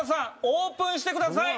オープンしてください。